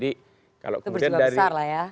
itu berjiwa besar lah ya